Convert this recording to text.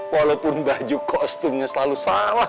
walaupun baju kostumnya selalu salah